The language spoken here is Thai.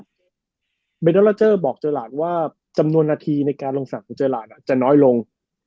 เจอร์หลาดบอกเจอร์หลาดว่าจำนวนนาทีในการลงสนับของเจอร์หลาดจะน้อยลง